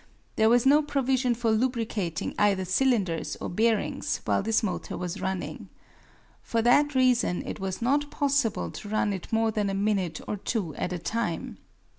There was no provision for lubricating either cylinders or bearings while this motor was running. For that reason it was not possible to run it more than a minute or two at a time.